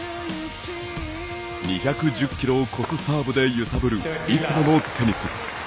２１０キロを超すサーブで揺さぶる、いつものテニス。